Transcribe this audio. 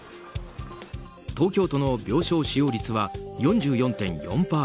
東京都の病床使用率は４４．４％。